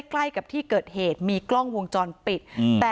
ใกล้กับที่เกิดเหตุมีกล้องวงจรปิด